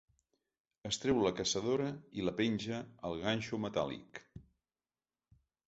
Es treu la caçadora i la penja al ganxo metàl·lic.